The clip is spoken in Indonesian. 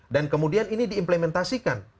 dan kemudian ini diimplementasikan